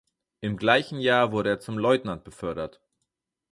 Im gleichen Jahr wurde er zum Leutnant befördert.